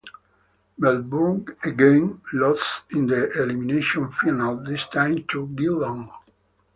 Melbourne again lost in the Elimination Final, this time to Geelong.